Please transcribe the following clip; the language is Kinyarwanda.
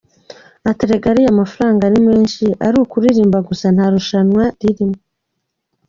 Ati “Erega ariya mafaranga ni menshi ari ukuririmba gusa nta rushanwa ririmo.